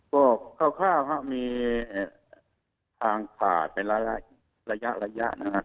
ก็คร่าวมีทางขาดไประยะนะครับ